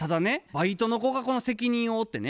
バイトの子がこの責任を負ってね